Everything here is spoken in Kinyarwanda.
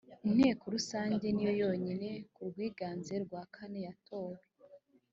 inteko rusange niyo yonyine ku bwiganze bwa kane yatowe